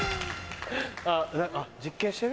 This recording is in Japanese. あっ実験してる？